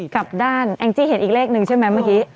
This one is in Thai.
กับด้านแองจี้เห็นอีกเลขหนึ่งใช่ไหมเมื่อกี้